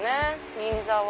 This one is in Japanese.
銀座は。